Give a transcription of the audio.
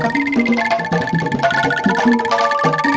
mana sih yuyun